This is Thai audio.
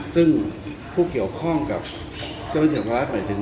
ซึ่งผู้เกี่ยวข้องกับเจ้าราชิสันต์พระราชไปถึง